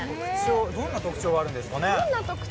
どんな特徴があるんですかね？